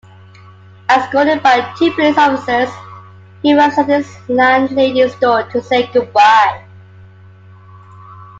Escorted by two police officers, he arrives at his landlady's door to say goodbye.